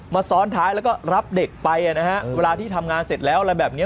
ซ้อนท้ายแล้วก็รับเด็กไปนะฮะเวลาที่ทำงานเสร็จแล้วอะไรแบบนี้